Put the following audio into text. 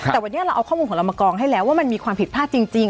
แต่วันนี้เราเอาข้อมูลของเรามากองให้แล้วว่ามันมีความผิดพลาดจริง